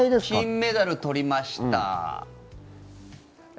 金メダル取りました。